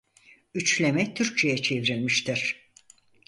Üçleme Türkçeye çevrilmiştir.